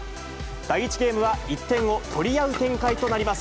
第１ゲームは１点を取り合う展開となります。